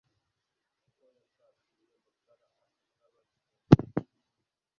ko yatatiye mutara akatabarika,